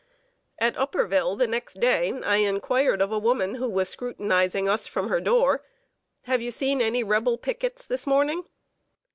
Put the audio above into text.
At Upperville, the next day, I inquired of a woman who was scrutinizing us from her door: "Have you seen any Rebel pickets this morning?"